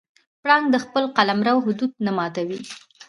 پړانګ د خپل قلمرو حدود نه ماتوي.